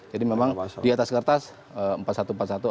jadi memang di atas kertas empat satu empat satu atau empat tiga tiga